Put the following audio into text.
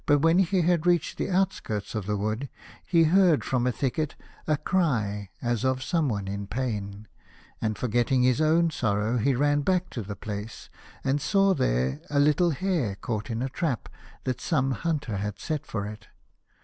But when he had reached the outskirts of the wood, he heard from a thicket a cry as of 149 A House of Pomegranates. someone in pain. And forgetting his own sorrow he ran back to the place, and saw there a little Hare caught in a trap that some hunter had set for it.